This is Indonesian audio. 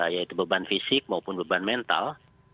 yaitu beban fisik maupun beban mental